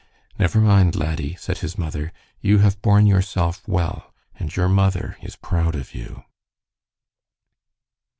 "Never mind, laddie," said his mother, "you have borne yourself well, and your mother is proud of you."